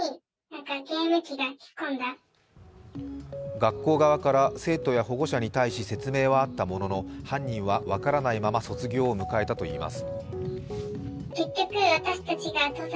学校側から生徒や保護者に対し説明はあったものの犯人は分からないまま卒業を迎えたといいます。